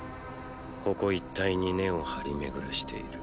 ここ一帯に根を張り巡らしている。